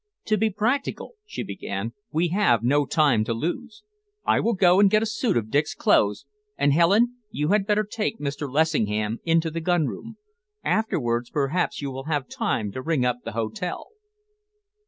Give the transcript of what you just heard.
"To be practical," she began, "we have no time to lose. I will go and get a suit of Dick's clothes, and, Helen, you had better take Mr. Lessingham into the gun room. Afterwards, perhaps you will have time to ring up the hotel."